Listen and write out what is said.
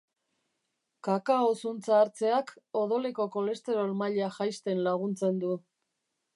Kakao zuntza hartzeak odoleko kolesterol maila jaisten laguntzen du.